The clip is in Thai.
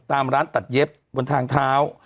ตามร้านตัดเย็บบนทางเท้า